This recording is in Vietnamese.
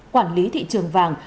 quản lý thị trường vàng